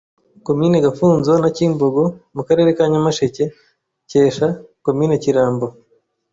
komini Gafunzo na Cyimbogo mu karere ka Nyamasheke, CYESHA (komini Kirambo)